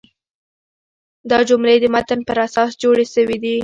دا جملې د متن پر اساس جوړي سوي دي.